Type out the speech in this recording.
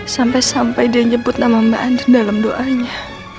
sampai sampai dia nyebut nama mbak andri dalam doanya